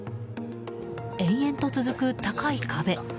延々と続く高い壁。